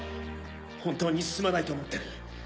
本当にすまないと思ってる。